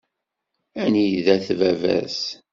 Anida-t baba-s?